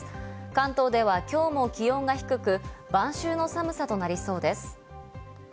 関東では今日も気温が低く、晩秋の寒さとなりそうです。